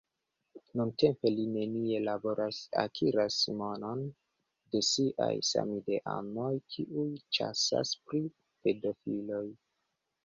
Nuntempe li nenie laboras, akiras monon de siaj samideanoj, kiuj ĉasas pri pedofiloj.